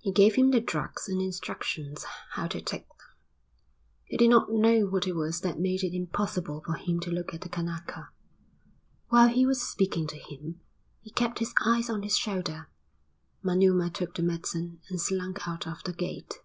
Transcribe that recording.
He gave him the drugs and instructions how to take them. He did not know what it was that made it impossible for him to look at the Kanaka. While he was speaking to him he kept his eyes on his shoulder. Manuma took the medicine and slunk out of the gate.